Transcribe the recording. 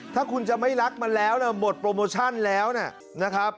ถ้าคุณจะไม่รักมันแล้วหมดโปรโมชั่นแล้วนะครับ